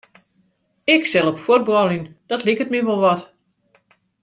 Ik sil op fuotbaljen, dat liket my wol wat.